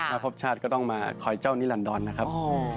ถ้าพบชาติก็ต้องมาคอยเจ้านิลันดอนนะครับ